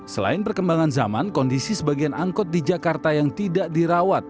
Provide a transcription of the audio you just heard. selain perkembangan zaman kondisi sebagian angkot di jakarta yang tidak dirawat